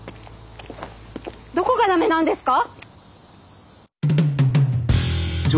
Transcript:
どこが駄目なんですか？